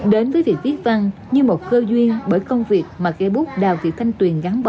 đến với việc viết văn như một cơ duyên bởi công việc mà kê bút đào thị thanh tuyền